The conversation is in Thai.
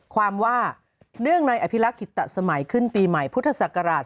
ความว่าเนื่องในอภิละขิตตะสมัยขึ้นปีใหม่พศ๒๕๖๓